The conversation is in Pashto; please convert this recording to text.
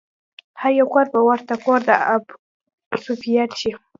هر يو کور به ورته کور د ابوسفيان شي